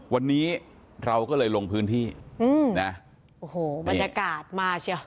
วันนี้เราก็เลยลงพื้นที่อืมนะโอ้โหบรรยากาศมาเชียว